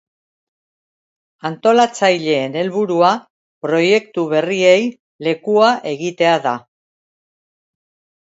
Antolatzaileen helburua proiektu berriei lekua egitea da.